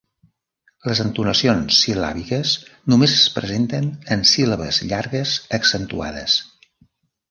Les entonacions sil·làbiques només es presenten en síl·labes llargues accentuades.